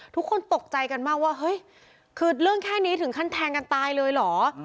ทุกคนตกใจกันมากว่าเฮ้ยคือเรื่องแค่นี้ถึงขั้นแทงกันตายเลยเหรอ